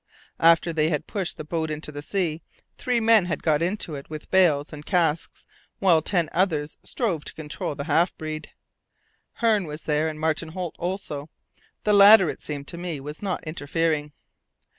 After they had pushed the boat into the sea, three men had got into it with bales and casks, while ten others strove to control the half breed. Hearne was there, and Martin Holt also; the latter, it seemed to me, was not interfering.